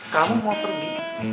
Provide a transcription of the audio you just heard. kamu mau pergi